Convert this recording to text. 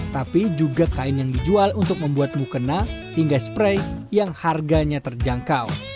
tapi juga kain yang dijual untuk membuat mukena hingga spray yang harganya terjangkau